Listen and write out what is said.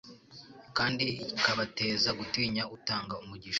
kandi ikabateza gutinya utanga umugisha.